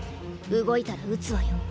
動いたら撃つわよ。